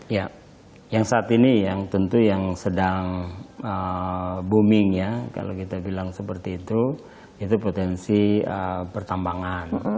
ya yang saat ini yang tentu yang sedang booming ya kalau kita bilang seperti itu itu potensi pertambangan